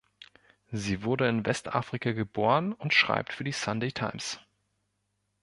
Sie wurde in Westafrika geboren und schreibt für die „Sunday Times“.